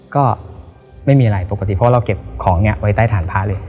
ก็ไม่มีอะไรปกติเพราะว่าเราเก็บของไว้ใต้ฐานพระเลย